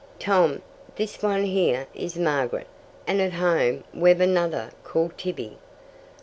"Tom, this one here is Margaret. And at home we've another called Tibby."